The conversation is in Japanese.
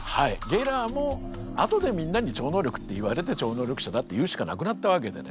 ゲラーも後でみんなに超能力って言われて超能力者だって言うしかなくなったわけでね。